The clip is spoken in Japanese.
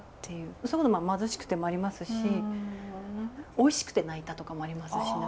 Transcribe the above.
それこそ貧しくてもありますしおいしくて泣いたとかもありますし。